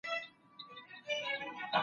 څوک د سایبري ځورونې پر وړاندي مبارزه کوي؟